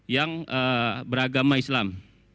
yang beragama islam